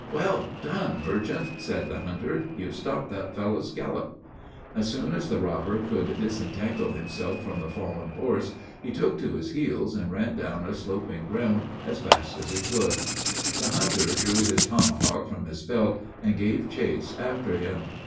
"Well done, merchant," said the hunter, "you've stopped that fellow's galop." As soon as the robber could disentangle himself from the fallen horse, he took to his heels and ran down a sloping ground as fast as he could. The hunter drew his tomahawk from his belt, and gave chase after him.